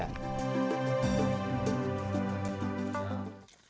di perjalanan kami melintasi perkebunan kelapa pala dan jagung milik warga pulau romang